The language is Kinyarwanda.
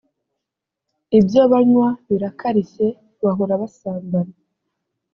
ibyo banywa birakarishye bahora basambana